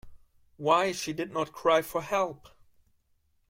Why she did not cry for help?